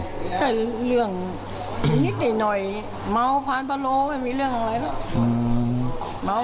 แต่เรื่องนิดนิดหน่อยเมาผ่านพระโลก็ไม่มีเรื่องอะไรหรอก